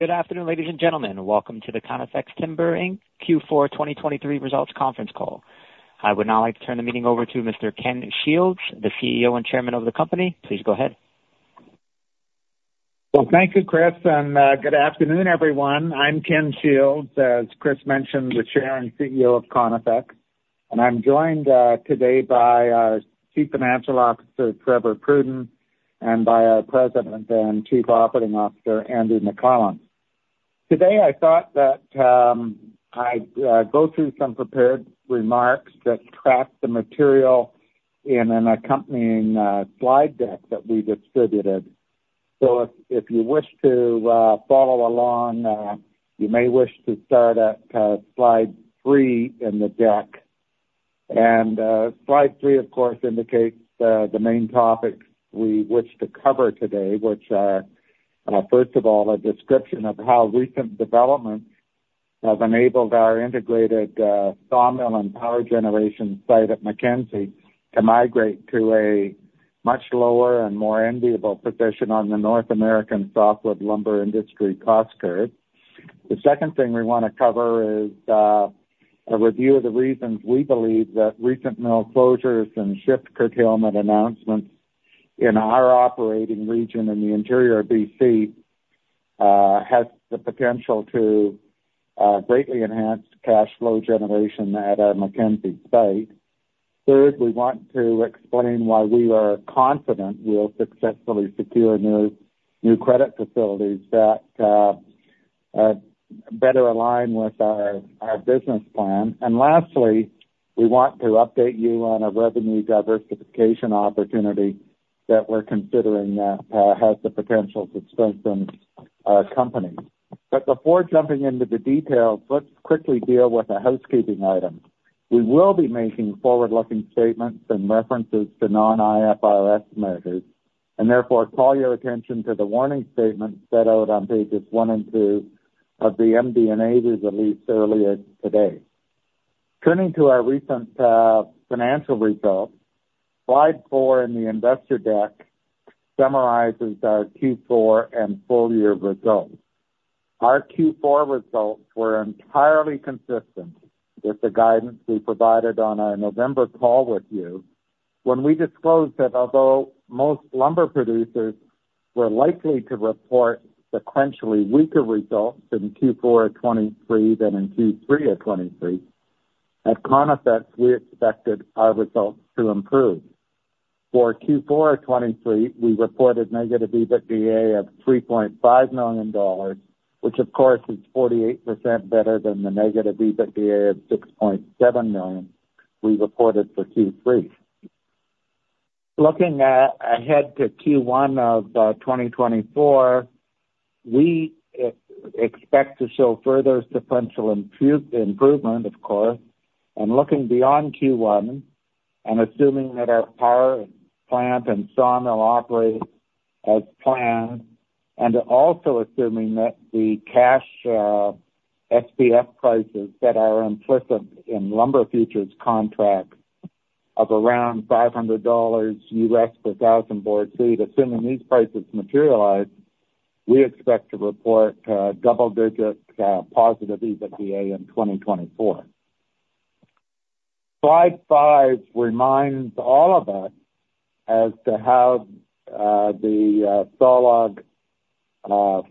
Good afternoon, ladies and gentlemen. Welcome to the Conifex Timber Inc. Q4 2023 Results Conference Call. I would now like to turn the meeting over to Mr. Ken Shields, the CEO and Chairman of the company. Please go ahead. Well, thank you, Chris, and good afternoon, everyone. I'm Ken Shields, as Chris mentioned, the Chair and CEO of Conifex, and I'm joined today by our Chief Financial Officer, Trevor Pruden, and by our President and Chief Operating Officer, Andy McLellan. Today, I thought that I'd go through some prepared remarks that track the material in an accompanying slide deck that we distributed. So if you wish to follow along, you may wish to start at slide three in the deck. And slide three, of course, indicates the main topics we wish to cover today, which are first of all, a description of how recent developments have enabled our integrated sawmill and power generation site at Mackenzie to migrate to a much lower and more enviable position on the North American softwood lumber industry cost curve. The second thing we wanna cover is a review of the reasons we believe that recent mill closures and shift curtailment announcements in our operating region in the Interior of BC has the potential to greatly enhance cash flow generation at our Mackenzie site. Third, we want to explain why we are confident we'll successfully secure new credit facilities that better align with our business plan. And lastly, we want to update you on a revenue diversification opportunity that we're considering that has the potential to strengthen our company. But before jumping into the details, let's quickly deal with a housekeeping item. We will be making forward-looking statements and references to non-IFRS measures, and therefore call your attention to the warning statement set out on pages one and two of the MD&A release released earlier today. Turning to our recent financial results, slide four in the investor deck summarizes our Q4 and full year results. Our Q4 results were entirely consistent with the guidance we provided on our November call with you when we disclosed that although most lumber producers were likely to report sequentially weaker results in Q4 of 2023 than in Q3 of 2023, at Conifex, we expected our results to improve. For Q4 of 2023, we reported negative EBITDA of 3.5 million dollars, which of course is 48% better than the negative EBITDA of 6.7 million we reported for Q3. Looking ahead to Q1 of 2024, we expect to show further sequential improvement, of course. Looking beyond Q1, and assuming that our power and plant and sawmill operate as planned, and also assuming that the cash SPF prices that are implicit in lumber futures contracts of around $500 per 1,000 board feet, assuming these prices materialize, we expect to report double digits positive EBITDA in 2024. Slide five reminds all of us as to how the sawlog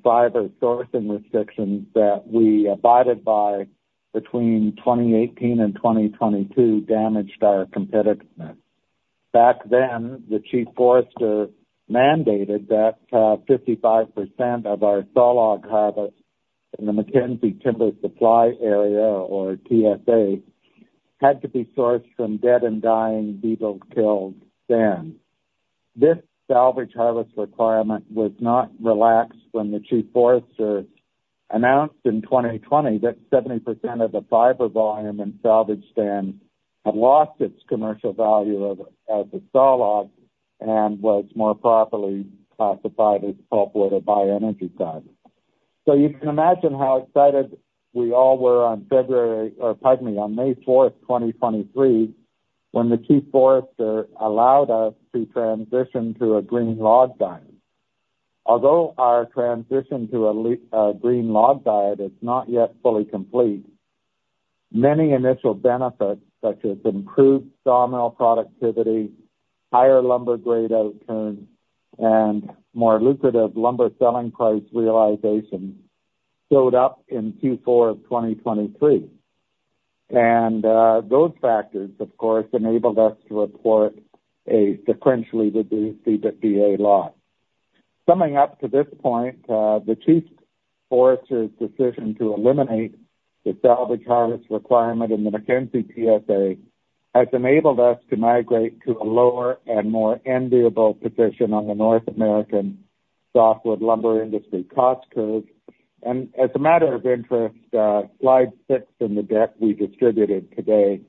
fiber sourcing restrictions that we abided by between 2018 and 2022 damaged our competitiveness. Back then, the Chief Forester mandated that 55% of our sawlog harvest in the Mackenzie Timber Supply Area, or TSA, had to be sourced from dead and dying beetle kill stands. This salvage harvest requirement was not relaxed when the Chief Forester announced in 2020 that 70% of the fiber volume in salvage stands had lost its commercial value as a sawlog and was more properly classified as pulpwood or bioenergy product. So you can imagine how excited we all were on February, or pardon me, on May 4, 2023, when the Chief Forester allowed us to transition to a green log diet. Although our transition to a green log diet is not yet fully complete, many initial benefits, such as improved sawmill productivity, higher lumber grade outcomes, and more lucrative lumber selling price realization, showed up in Q4 of 2023. And, those factors, of course, enabled us to report a sequentially reduced EBITDA loss. Summing up to this point, the Chief Forester's decision to eliminate the salvage harvest requirement in the Mackenzie TSA has enabled us to migrate to a lower and more enviable position on the North American softwood lumber industry cost curve. As a matter of interest, slide 6 in the deck we distributed today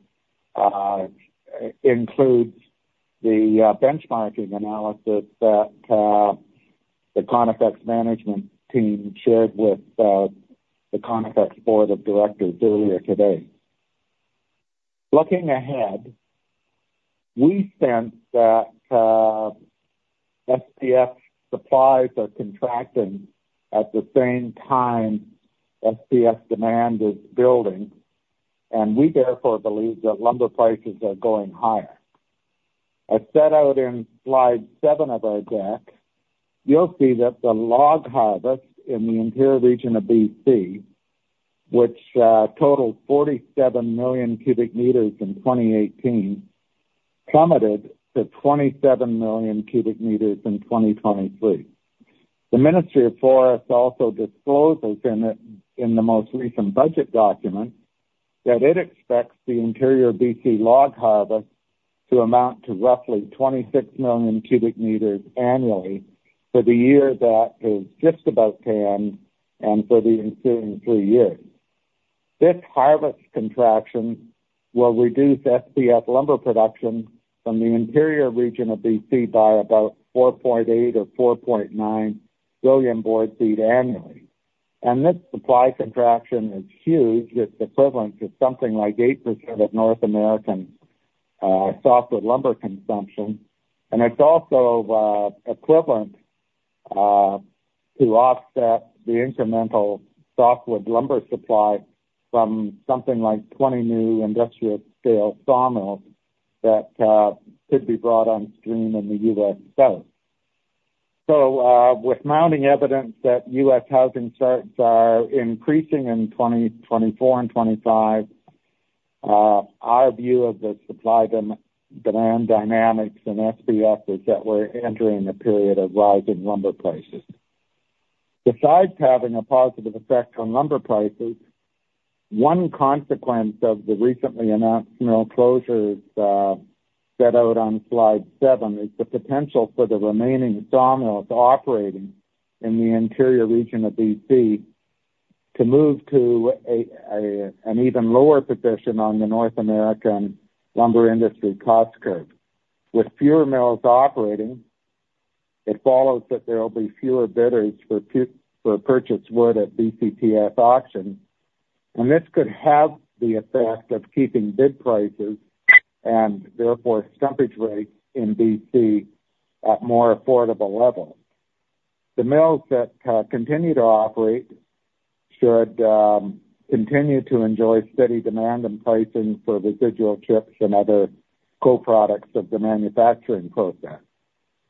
includes the benchmarking analysis that the Conifex management team shared with the Conifex board of directors earlier today. Looking ahead, we sense that SPF supplies are contracting at the same time SPF demand is building, and we therefore believe that lumber prices are going higher. As set out in slide seven of our deck, you'll see that the log harvest in the Interior region of BC, which totaled 47 million cubic meters in 2018, plummeted to 27 million cubic meters in 2023. The Ministry of Forests also discloses in the, in the most recent budget document, that it expects the Interior BC log harvest to amount to roughly 26 million cubic meters annually for the year that is just about to end and for the ensuing three years. This harvest contraction will reduce SPF lumber production from the interior region of BC by about 4.8 or 4.9 billion board feet annually. And this supply contraction is huge. It's equivalent to something like 8% of North American softwood lumber consumption, and it's also equivalent to offset the incremental softwood lumber supply from something like 20 new industrial-scale sawmills that could be brought on stream in the US South. So, with mounting evidence that U.S. housing starts are increasing in 2024 and 2025, our view of the supply-demand dynamics in SPF is that we're entering a period of rising lumber prices. Besides having a positive effect on lumber prices, one consequence of the recently announced mill closures, set out on slide seven, is the potential for the remaining sawmills operating in the interior region of B.C. to move to an even lower position on the North American lumber industry cost curve. With fewer mills operating, it follows that there will be fewer bidders for purchase wood at BCTS auctions, and this could have the effect of keeping bid prices, and therefore stumpage rates in B.C., at more affordable levels. The mills that continue to operate should continue to enjoy steady demand and pricing for residual chips and other co-products of the manufacturing process.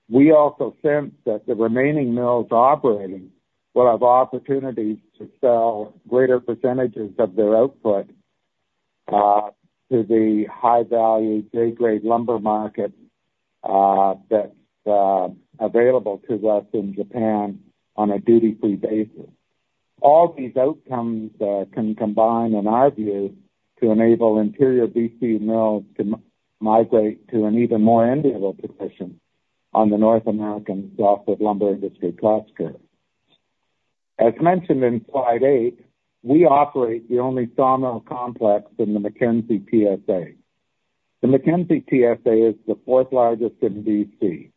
We also sense that the remaining mills operating will have opportunities to sell greater percentages of their output to the high-value, A-grade lumber market that's available to us in Japan on a duty-free basis. All these outcomes can combine, in our view, to enable interior BC mills to migrate to an even more enviable position on the North American softwood lumber industry cost curve. As mentioned in slide 8, we operate the only sawmill complex in the Mackenzie TSA. The Mackenzie TSA is the fourth largest in BC.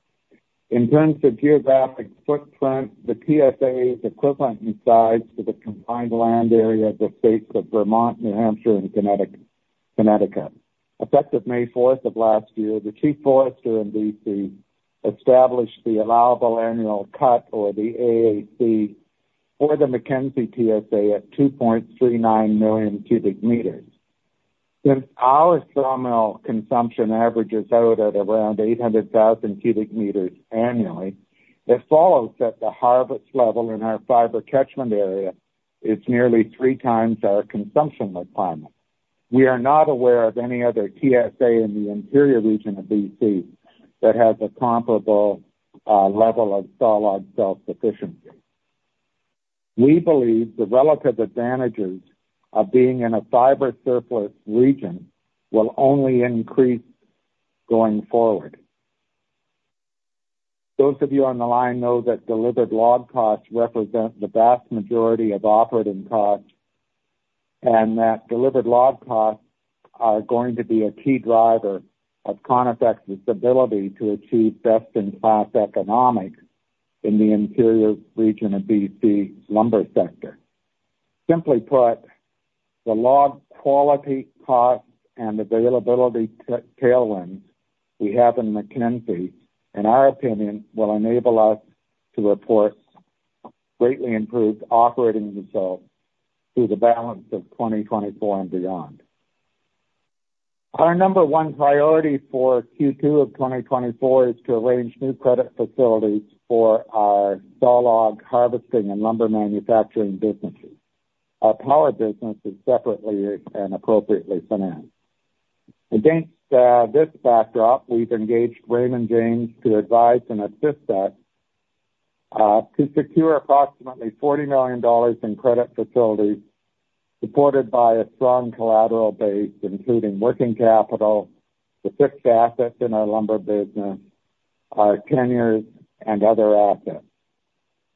In terms of geographic footprint, the TSA is equivalent in size to the combined land area of the states of Vermont, New Hampshire, and Connecticut, Connecticut. Effective May fourth of last year, the Chief Forester in BC established the allowable annual cut, or the AAC, for the Mackenzie TSA at 2.39 million cubic meters. Since our sawmill consumption averages out at around 800,000 cubic meters annually, it follows that the harvest level in our fiber catchment area is nearly three times our consumption requirement. We are not aware of any other TSA in the interior region of BC that has a comparable level of sawlog self-sufficiency. We believe the relative advantages of being in a fiber surplus region will only increase going forward. Those of you on the line know that delivered log costs represent the vast majority of operating costs, and that delivered log costs are going to be a key driver of Conifex's ability to achieve best-in-class economics in the interior region of BC lumber sector. Simply put, the log quality, cost, and availability tailwinds we have in Mackenzie, in our opinion, will enable us to report greatly improved operating results through the balance of 2024 and beyond. Our number one priority for Q2 of 2024 is to arrange new credit facilities for our sawlog harvesting and lumber manufacturing businesses. Our power business is separately and appropriately financed. Against this backdrop, we've engaged Raymond James to advise and assist us to secure approximately 40 million dollars in credit facilities supported by a strong collateral base, including working capital, the fixed assets in our lumber business, our tenures, and other assets.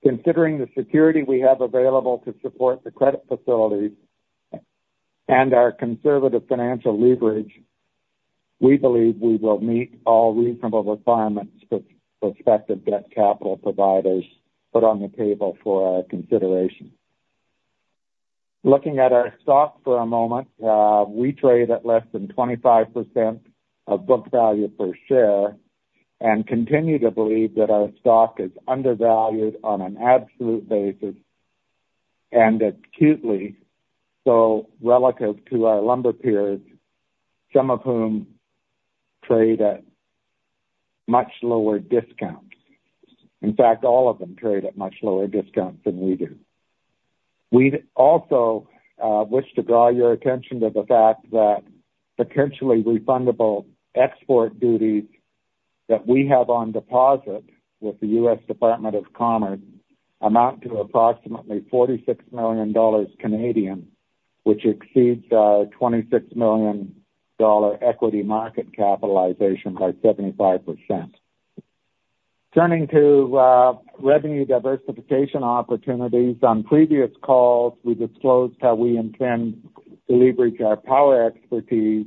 Considering the security we have available to support the credit facilities and our conservative financial leverage. We believe we will meet all reasonable requirements that prospective debt capital providers put on the table for our consideration. Looking at our stock for a moment, we trade at less than 25% of book value per share and continue to believe that our stock is undervalued on an absolute basis and acutely, so relative to our lumber peers, some of whom trade at much lower discounts. In fact, all of them trade at much lower discounts than we do. We'd also wish to draw your attention to the fact that potentially refundable export duties that we have on deposit with the US Department of Commerce amount to approximately 46 million Canadian dollars, which exceeds our 26 million dollar equity market capitalization by 75%. Turning to revenue diversification opportunities, on previous calls, we disclosed how we intend to leverage our power expertise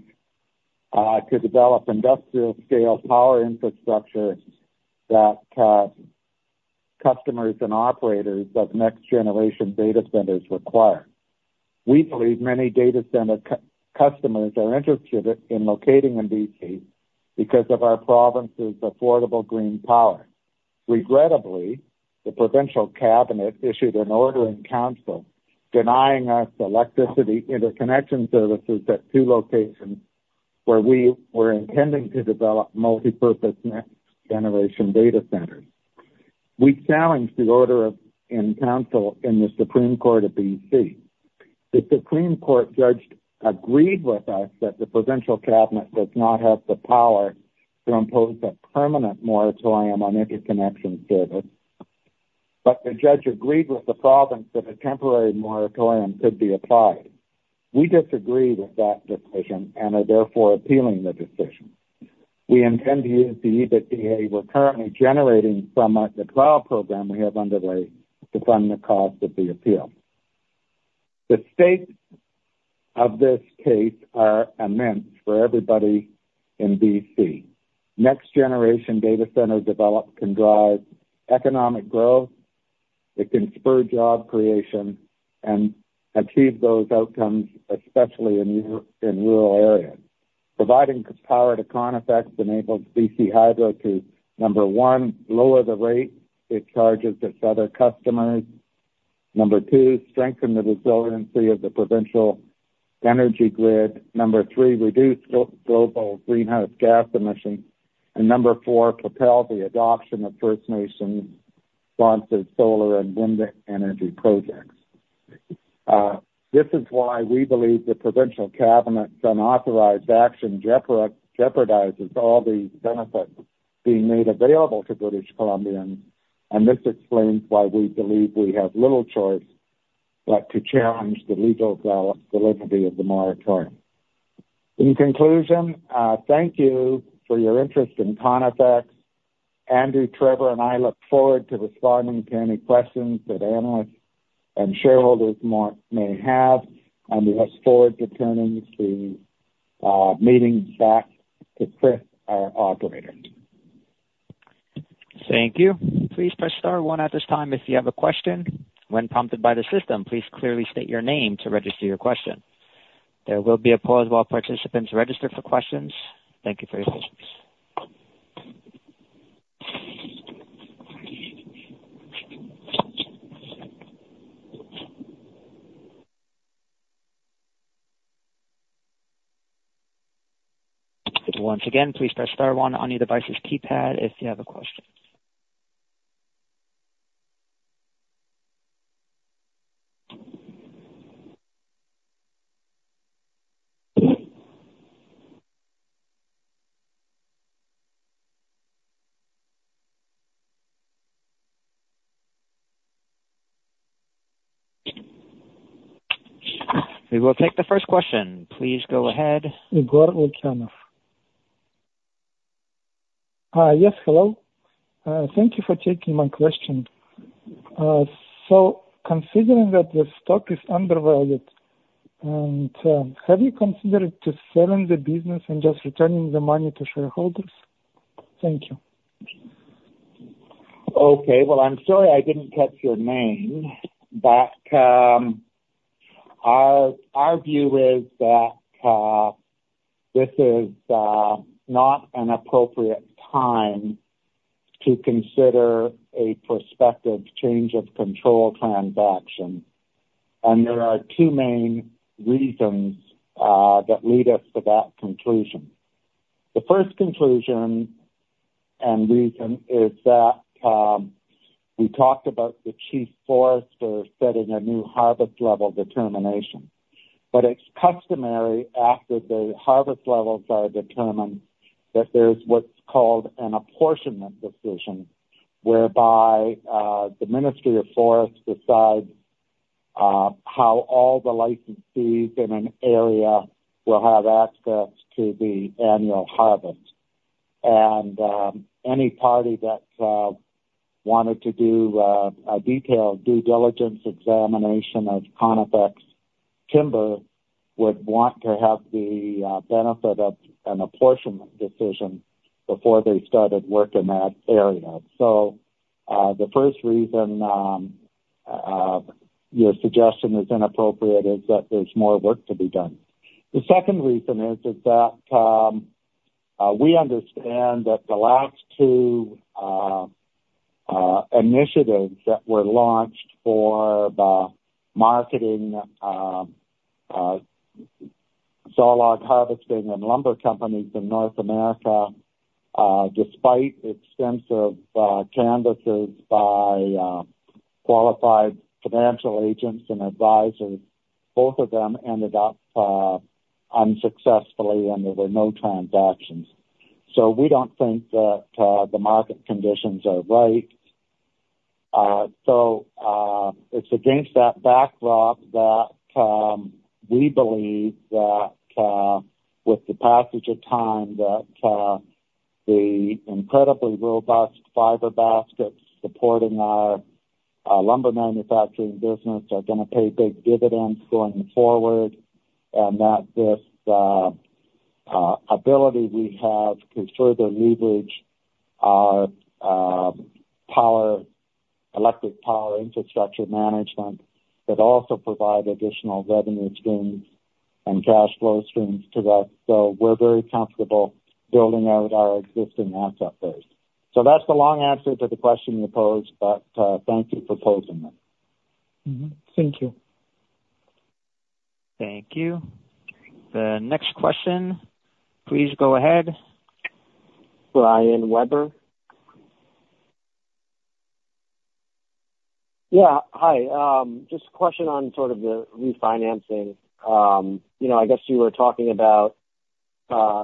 to develop industrial-scale power infrastructure that customers and operators of next-generation data centers require. We believe many data center customers are interested in locating in BC because of our province's affordable green power. Regrettably, the provincial cabinet issued an Order in Council denying us electricity interconnection services at two locations where we were intending to develop multipurpose next-generation data centers. We challenged the Order in Council in the Supreme Court of BC. The Supreme Court judge agreed with us that the provincial cabinet does not have the power to impose a permanent moratorium on interconnection service, but the judge agreed with the province that a temporary moratorium could be applied. We disagree with that decision and are therefore appealing the decision. We intend to use the EBITDA we're currently generating from our trial program we have underway to fund the cost of the appeal. The stakes of this case are immense for everybody in BC. Next-generation data center development can drive economic growth, it can spur job creation and achieve those outcomes, especially in rural areas. Providing power to Conifex enables BC Hydro to, number one, lower the rate it charges its other customers, number two, strengthen the resiliency of the provincial energy grid, number three, reduce global greenhouse gas emissions, and number four, propel the adoption of First Nations-sponsored solar and wind energy projects. This is why we believe the provincial cabinet's unauthorized action jeopardizes all these benefits being made available to British Columbians, and this explains why we believe we have little choice but to challenge the legal validity of the moratorium. In conclusion, thank you for your interest in Conifex. Andrew, Trevor, and I look forward to responding to any questions that analysts and shareholders may have, and we look forward to turning the meeting back to Chris, our operator. Thank you. Please press star one at this time if you have a question. When prompted by the system, please clearly state your name to register your question. There will be a pause while participants register for questions. Thank you for your patience. Once again, please press star one on your device's keypad if you have a question. We will take the first question. Please go ahead. Igor Lukyanov. Yes, hello. Thank you for taking my question. So considering that the stock is undervalued, and, have you considered just selling the business and just returning the money to shareholders? Thank you. Okay. Well, I'm sorry I didn't catch your name, but our view is that this is not an appropriate time to consider a prospective change of control transaction. There are two main reasons that lead us to that conclusion. The first conclusion and reason is that we talked about the Chief Forester setting a new harvest level determination. But it's customary after the harvest levels are determined, that there's what's called an apportionment decision, whereby the Ministry of Forests decides how all the licensees in an area will have access to the annual harvest. And any party that wanted to do a detailed due diligence examination of Conifex Timber would want to have the benefit of an apportionment decision before they started work in that area. So, the first reason your suggestion is inappropriate is that there's more work to be done. The second reason is that we understand that the last two initiatives that were launched for the marketing saw log harvesting and lumber companies in North America, despite extensive canvasses by qualified financial agents and advisors, both of them ended up unsuccessfully, and there were no transactions. So we don't think that the market conditions are right. So, it's against that backdrop that we believe that with the passage of time, that the incredibly robust fiber basket supporting our lumber manufacturing business are gonna pay big dividends going forward, and that this ability we have to further leverage our power-electric power infrastructure management, but also provide additional revenue streams and cash flow streams to us. So we're very comfortable building out our existing asset base. So that's the long answer to the question you posed, but thank you for posing it. Mm-hmm. Thank you. Thank you. The next question, please go ahead, Brian Weber. Yeah, hi. Just a question on sort of the refinancing. You know, I guess you were talking about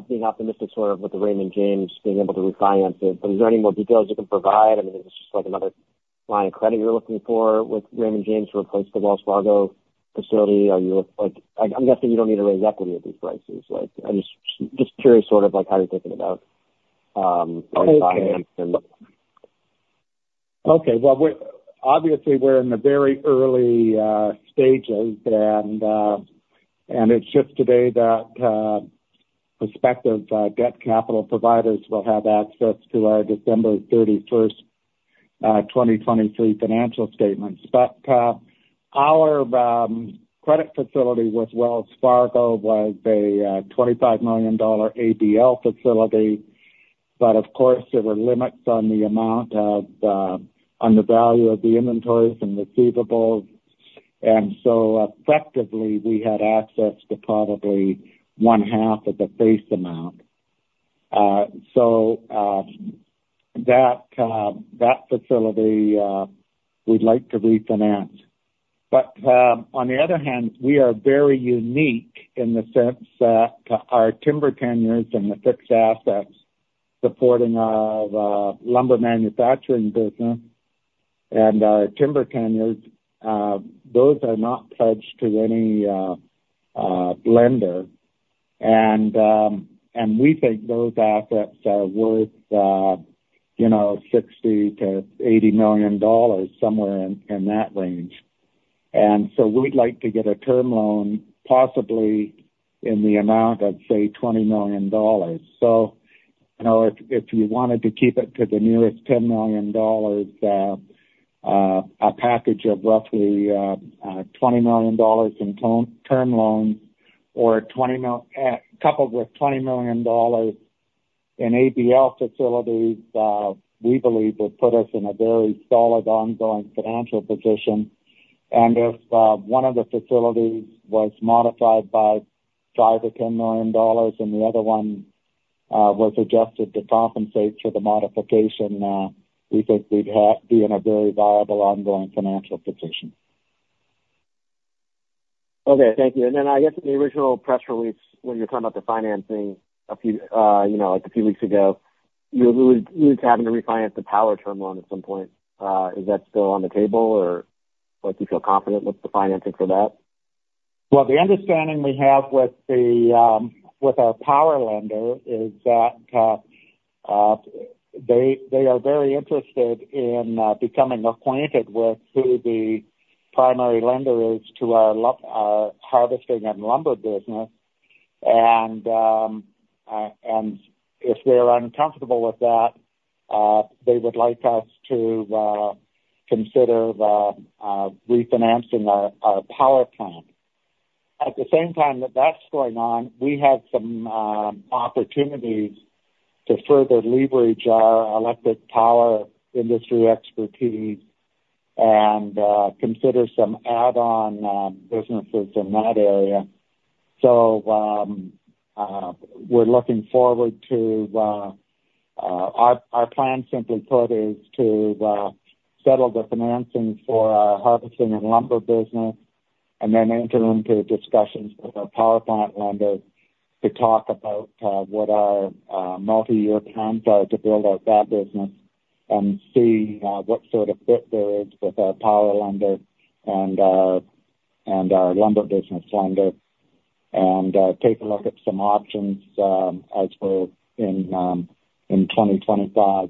being optimistic sort of with the Raymond James being able to refinance it, but is there any more details you can provide? I mean, is this just like another line of credit you're looking for with Raymond James to replace the Wells Fargo facility? Are you—like, I'm guessing you don't need to raise equity at these prices. Like, I'm just, just curious, sort of like how you're thinking about refinancing. Okay. Well, we're obviously in the very early stages, and it's just today that prospective debt capital providers will have access to our December 31, 2023 financial statements. But our credit facility with Wells Fargo was a 25 million dollar ABL facility. But of course, there were limits on the value of the inventories and receivables, and so effectively, we had access to probably one half of the face amount. So that facility we'd like to refinance. But on the other hand, we are very unique in the sense that our timber tenures and the fixed assets supporting our lumber manufacturing business and our timber tenures those are not pledged to any lender. We think those assets are worth, you know, 60-80 million dollars, somewhere in that range. And so we'd like to get a term loan, possibly in the amount of, say, 20 million dollars. So, you know, if you wanted to keep it to the nearest 10 million dollars, a package of roughly 20 million dollars in term loans or 20 million coupled with 20 million dollars in ABL facilities, we believe would put us in a very solid, ongoing financial position. And if one of the facilities was modified by 5-10 million dollars, and the other one was adjusted to compensate for the modification, we think we'd be in a very viable, ongoing financial position. Okay. Thank you. And then I guess in the original press release, when you were talking about the financing a few, you know, like a few weeks ago, you, you were having to refinance the power term loan at some point. Is that still on the table, or do you feel confident with the financing for that? Well, the understanding we have with our power lender is that they are very interested in becoming acquainted with who the primary lender is to our harvesting and lumber business. And if they're uncomfortable with that, they would like us to consider refinancing our power plant. At the same time that that's going on, we have some opportunities to further leverage our electric power industry expertise and consider some add-on businesses in that area. So, we're looking forward to... Our plan simply put, is to settle the financing for our harvesting and lumber business, and then enter into discussions with our power plant lenders to talk about what our multi-year plans are to build out that business and see what sort of fit there is with our power lender and our lumber business lender... and take a look at some options, as we're in 2025.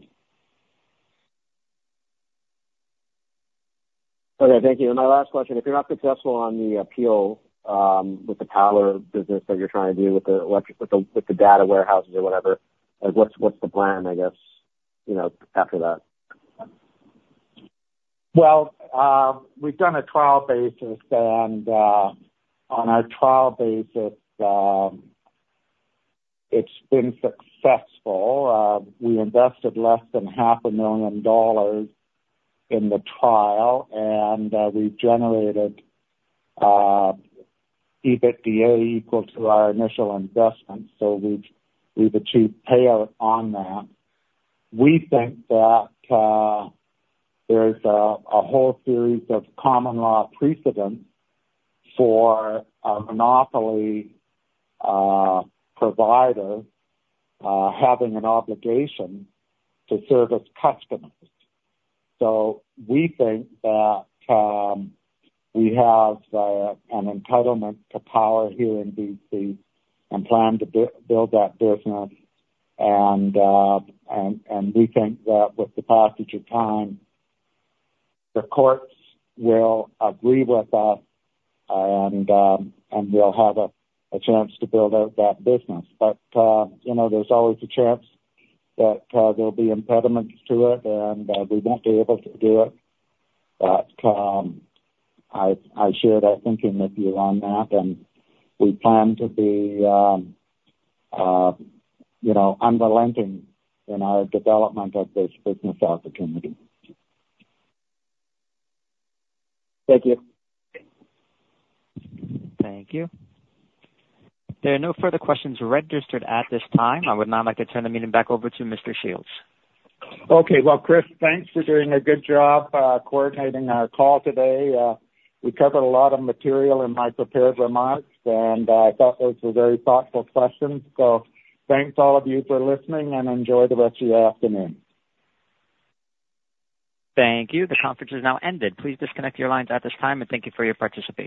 Okay, thank you. My last question, if you're not successful on the appeal with the power business that you're trying to do with the data centers or whatever, like, what's the plan, I guess, you know, after that? Well, we've done a trial basis, and on our trial basis, it's been successful. We invested less than 500,000 dollars in the trial, and we've generated EBITDA equal to our initial investment, so we've achieved payout on that. We think that there's a whole series of common law precedents for a monopoly provider having an obligation to serve its customers. So we think that we have an entitlement to power here in BC, and plan to build that business. And we think that with the passage of time, the courts will agree with us, and we'll have a chance to build out that business. But you know, there's always a chance that there'll be impediments to it and we won't be able to do it. But, I share that thinking with you on that, and we plan to be, you know, unrelenting in our development of this business opportunity. Thank you. Thank you. There are no further questions registered at this time. I would now like to turn the meeting back over to Mr. Shields. Okay. Well, Chris, thanks for doing a good job, coordinating our call today. We covered a lot of material in my prepared remarks, and I thought those were very thoughtful questions. Thanks all of you for listening and enjoy the rest of your afternoon. Thank you. The conference is now ended. Please disconnect your lines at this time and thank you for your participation.